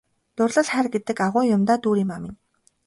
Дурлал хайр гэдэг агуу юм даа Дүүриймаа минь!